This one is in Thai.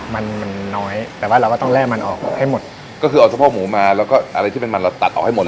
มันมันน้อยแต่ว่าเราก็ต้องแร่มันออกให้หมดก็คือเอาสะโพกหมูมาแล้วก็อะไรที่เป็นมันเราตัดออกให้หมด